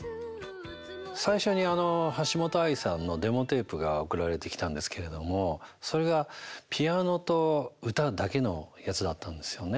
最初に橋本愛さんのデモテープが送られてきたんですけれどもそれがピアノと歌だけのやつだったんですよね。